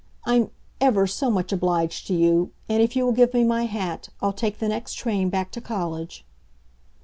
I'm ever so much obliged to you, and if you will give me my hat, I'll take the next train back to college."